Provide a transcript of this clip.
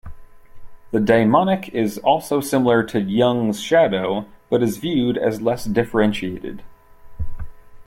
The daimonic is also similar to Jung's shadow, but is viewed as less differentiated.